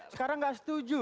sekarang nggak setuju